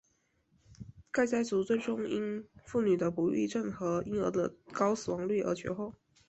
该家族最后因妇女的不孕症和婴儿的高死亡率而绝后。